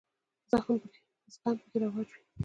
زغم پکې رواج وي.